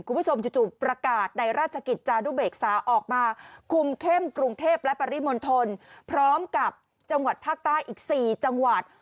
คุณผู้ชมจู่ประกาศในราชกิจจานุเบกษาออกมาคุมเข้มกรุงเทพและปริมณฑลพร้อมกับจังหวัดภาคใต้อีก๔จังหวัด